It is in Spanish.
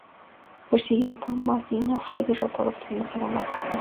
Perseguido por Masinisa, fue derrotado en una segunda ocasión.